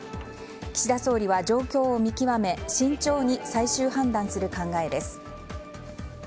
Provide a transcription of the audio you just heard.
岸田総理は状況を見極め慎重に最終判断する考えです。